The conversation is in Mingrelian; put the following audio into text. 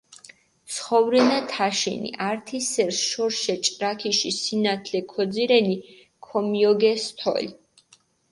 ცხოვრენა თაშინი, ართი სერს შორიშე ჭრაქიში სინათლე ქიძირენი, ქომიოგეს თოლი.